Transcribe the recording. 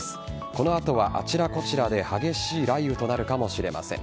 この後はあちらこちらで激しい雷雨となるかもしれません。